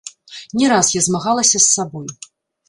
Не раз я змагалася з сабой.